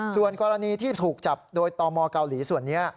ส่วนกรณีที่ถูกจับโดยตมเกาหลีส่วนนี้